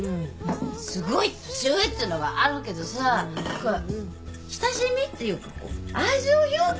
すごい年上っていうのはあるけどさ親しみっていうか愛情表現じゃん。